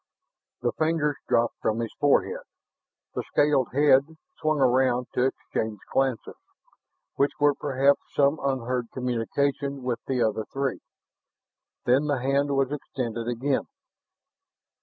The fingers dropped from his forehead; the scaled head swung around to exchange glances, which were perhaps some unheard communication with the other three. Then the hand was extended again.